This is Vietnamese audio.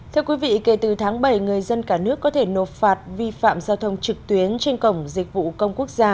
thưa quý vị kể từ tháng bảy người dân cả nước có thể nộp phạt vi phạm giao thông trực tuyến trên cổng dịch vụ công quốc gia